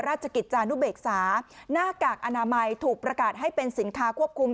ราชกิจจานุเบกษาหน้ากากอนามัยถูกประกาศให้เป็นสินค้าควบคุม